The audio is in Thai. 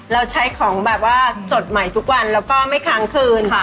เราใช้ของแบบว่าสดใหม่ทุกวันแล้วก็ไม่ค้างคืน